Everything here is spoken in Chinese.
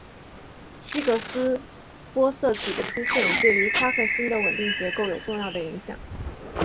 希格斯玻色子的出现对于夸克星的稳定结构有重要的影响。